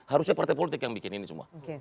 harusnya partai politik yang bikin ini semua